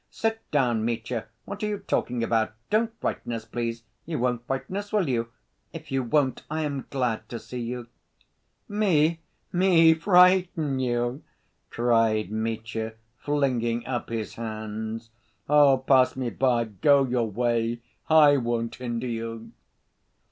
Sit down, Mitya, what are you talking about? Don't frighten us, please. You won't frighten us, will you? If you won't, I am glad to see you ..." "Me, me frighten you?" cried Mitya, flinging up his hands. "Oh, pass me by, go your way, I won't hinder you!..."